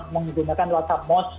menggunakan whatsapp mods